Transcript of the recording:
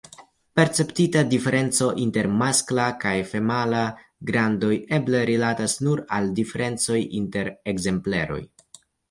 Perceptita diferenco inter maskla kaj femala grandoj eble rilatis nur al diferencoj inter ekzempleroj.